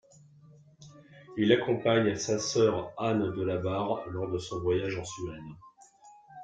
Il accompagne sa sœur Anne de La Barre lors de son voyage en Suède.